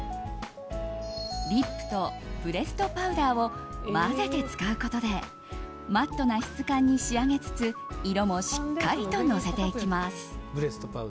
リップとプレストパウダーを混ぜて使うことでマットな質感に仕上げつつ色もしっかりとのせていきます。